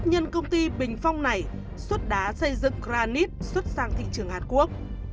hôm nay xuất đá xây dựng granite xuất sang thị trường hàn quốc